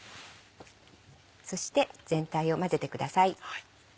そして全体を混ぜてください。